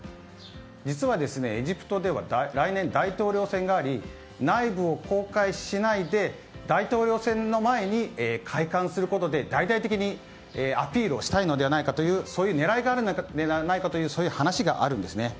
実はエジプトでは来年、大統領選があり内部を公開しないで大統領選の前に開館することで、大々的にアピールをしたいのではないかという狙いがあるのではという話があるんですね。